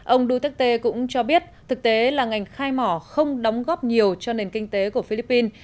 ông duterte cũng cho biết thực tế là ngành khai mỏ không đóng góp nhiều cho nền kinh tế của philippines